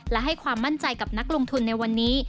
และให้ความมั่นใจกับนักลงทุนในวันนี้